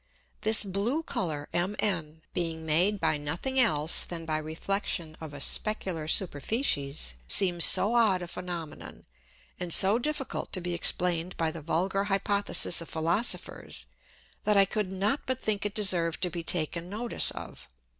This blue Colour MN being made by nothing else than by Reflexion of a specular Superficies, seems so odd a Phænomenon, and so difficult to be explained by the vulgar Hypothesis of Philosophers, that I could not but think it deserved to be taken Notice of.